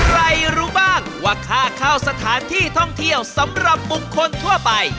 รู้บ้างว่าค่าเข้าสถานที่ท่องเที่ยวสำหรับบุคคลทั่วไป